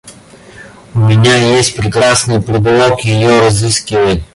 У меня есть прекрасный предлог ее разыскивать.